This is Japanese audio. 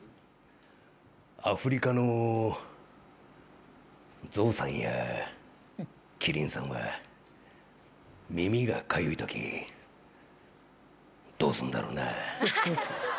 アフリカの象さんやキリンさんは耳がかゆいときどうすんだろうな。